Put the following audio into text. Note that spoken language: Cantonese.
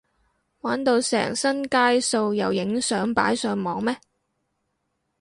玩到成身街數又影相擺上網咩？